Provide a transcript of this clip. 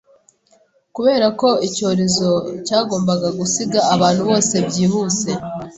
Kuberako icyorezo cyagombaga gusiga abantu bose byihuse